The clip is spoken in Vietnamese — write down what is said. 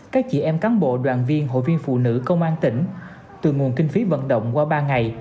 các chị em cán bộ đoàn viên hội viên phụ nữ công an tỉnh từ nguồn kinh phí vận động qua ba ngày